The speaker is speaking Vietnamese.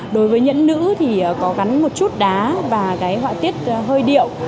đối với nhẫn nữ thì có gắn một chút đá và cái họa tiết hơi điệu